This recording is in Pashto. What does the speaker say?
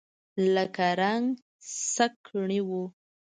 له رنګ سکڼۍ و.